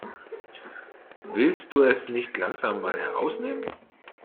Willst du es nicht langsam mal herausnehmen?